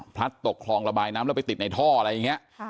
ตกคลองระบายน้ำแล้วไปติดในท่ออะไรอย่างนี้